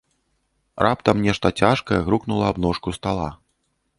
Раптам нешта цяжкае грукнула аб ножку стала.